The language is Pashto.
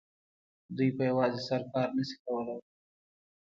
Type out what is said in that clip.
دوی په یوازې سر کار نه شي کولای